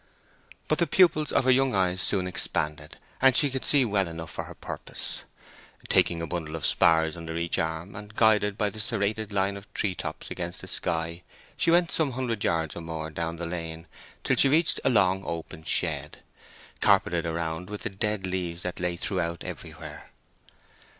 But the pupils of her young eyes soon expanded, and she could see well enough for her purpose. Taking a bundle of spars under each arm, and guided by the serrated line of tree tops against the sky, she went some hundred yards or more down the lane till she reached a long open shed, carpeted around with the dead leaves that lay about everywhere.